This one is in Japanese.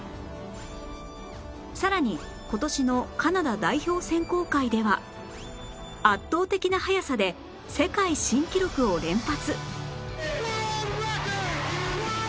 さらに今年のカナダ代表選考会では圧倒的な速さで世界新記録を連発